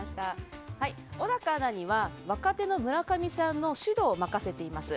小高アナには若手の村上さんの指導を任せています。